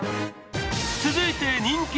続いて人気